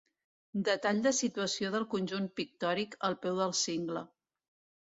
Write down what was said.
Detall de situació del conjunt pictòric, al peu del cingle.